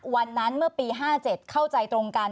วันนั้นเมื่อปี๕๗เข้าใจตรงกัน